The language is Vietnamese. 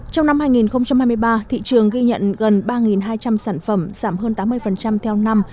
trong năm hai nghìn hai mươi ba thị trường ghi nhận gần ba hai trăm linh sản phẩm giảm hơn tám mươi theo năm